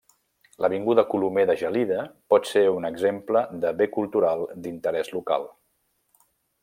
L'Avinguda Colomer de Gelida pot ser un exemple de bé cultural d'interés local.